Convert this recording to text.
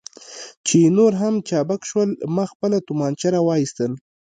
چې نور هم چابک شول، ما خپله تومانچه را وایستل.